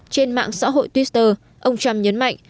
trên mạng xã hội twitter ông trump nhấn mạnh